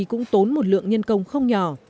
cũng tốn một lượng nhân công không nhỏ